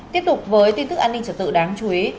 tiếp tục với tin tức an ninh trật tự đáng chú ý